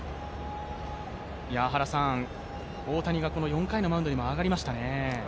原さん、大谷がこの４回のマウンドにも上がりましたね。